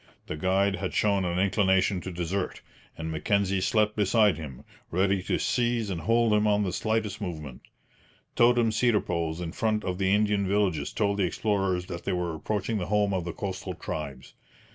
The guide had shown an inclination to desert, and Mackenzie slept beside him, ready to seize and hold him on the slightest movement. Totem cedar poles in front of the Indian villages told the explorers that they were approaching the home of the coastal tribes.